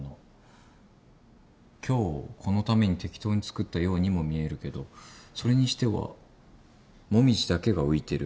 今日このために適当に作ったようにも見えるけどそれにしては「モミジ」だけが浮いてる。